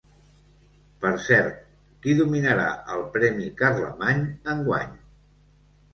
Per cert, qui dominara el premi Carlemany, enguany?